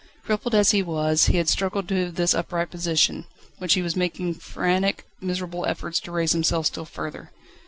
Crippled as he was, he had struggled to this upright position, he was making frantic, miserable efforts to raise himself still further.